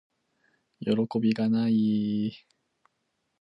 よろこびがない～